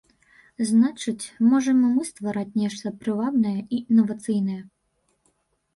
Значыць, можам і мы ствараць нешта прывабнае і інавацыйнае.